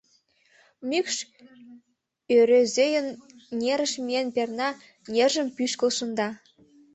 Мӱкш Ӧрӧзӧйын нерыш миен перна, нержым пӱшкыл шында.